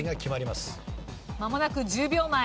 まもなく１０秒前。